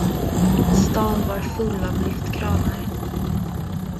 Stan var full av lyftkranar.